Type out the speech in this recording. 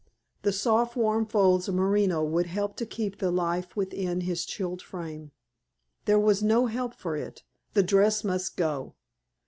The soft, warm folds of merino would help to keep the life within his chilled frame. There was no help for it, the dress must go.